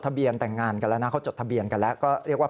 ทะเบียนแต่งงานกันแล้วนะเขาจดทะเบียนกันแล้วก็เรียกว่า